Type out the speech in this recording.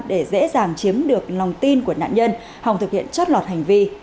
để dễ dàng chiếm được lòng tin của nạn nhân hòng thực hiện chót lọt hành vi